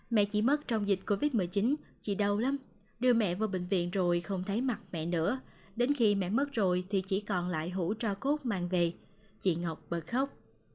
mẹ chỉ mất trong dịch covid một mươi chín chị đâu lắm đưa mẹ vào bệnh viện rồi không thấy mặt mẹ nữa đến khi mẹ mất rồi thì chỉ còn lại hủ tra cốt mang về chị ngọc bật khóc